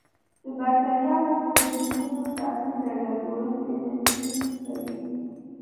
د باکتریاوو په پروتینونو تاثیر کوي او جوړښت یې نهي کوي.